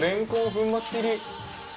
粉末入り。